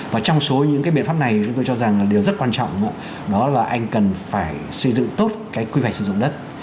và trong số những cái biện pháp này chúng tôi cho rằng là điều rất quan trọng đó là anh cần phải xây dựng tốt cái quy hoạch sử dụng đất